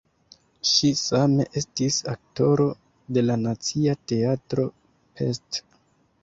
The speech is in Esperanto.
Ŝi same estis aktoro de la Nacia Teatro (Pest).